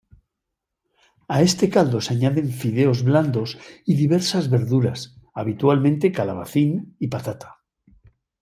A este caldo se añaden fideos blandos y diversas verduras, habitualmente calabacín y patata.